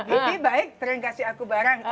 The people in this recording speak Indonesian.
ibi baik sering kasih aku barang